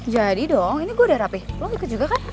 jadi dong ini gue udah rapih lo ikut juga kan